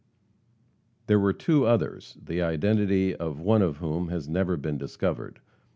There were two others, the identity of one of whom has never been discovered.